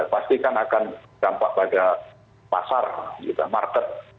pastikan akan dampak pada pasar juga market